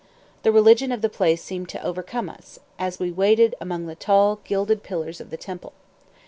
The religion of the place seemed to overcome us, as we waited among the tall, gilded pillars of the temple.